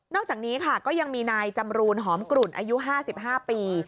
อกจากนี้ค่ะก็ยังมีนายจำรูนหอมกลุ่นอายุ๕๕ปี